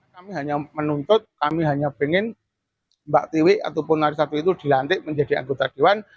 kami hanya menuntut kami hanya ingin mbak tiwi ataupun narisatu itu dilantik menjadi anggota dewan